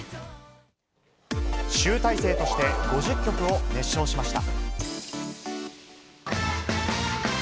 集大成として５０曲を熱唱しました。